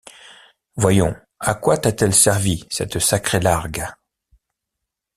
Voyons, à quoi t’a-t-elle servi cette sacrée largue?...